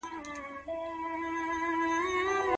آیا ته کولای شې چې د میوه لرونکو ونو شاخه بري وکړې؟